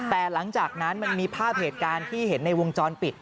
แต่หลังจากนั้นมันมีภาพเหตุการณ์ที่เห็นในวงจรปิด